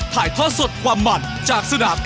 ถ่ายทอดสดความมันจากสนาม